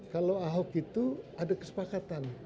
kalau ahok itu ada kesepakatan